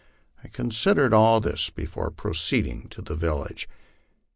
I considered all this before proceeding to the village.